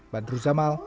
bandru zamal jakarta